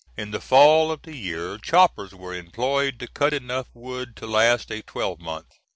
In the fall of the year choppers were employed to cut enough wood to last a twelve month.